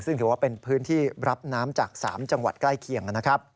ซึ่งถือว่าเป็นพื้นที่รับน้ำจาก๓จังหวัดใกล้เคียงนะครับ